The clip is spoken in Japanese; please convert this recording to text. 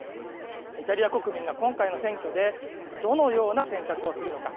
イタリア国民が今回の選挙でどのような選択をするのか。